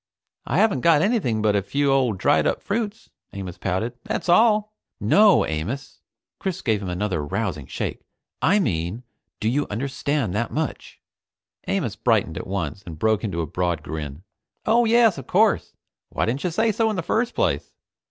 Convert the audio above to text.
"I haven't got anything but a few old dried up fruits," Amos pouted. "That's all." "No, Amos!" Chris gave him another rousing shake. "I mean, do you understand that much?" Amos brightened at once and broke into a broad grin. "Oh yes, of course. Why didn't you say so in the first place?